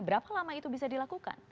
berapa lama itu bisa dilakukan